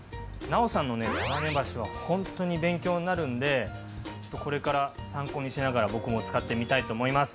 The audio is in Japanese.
尚さんのね束ねばしはほんとに勉強になるんでちょっとこれから参考にしながら僕も使ってみたいと思います。